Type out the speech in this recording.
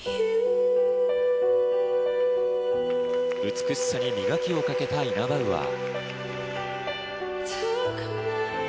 美しさに磨きをかけたイナバウアー。